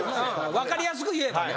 分かりやすく言えばね。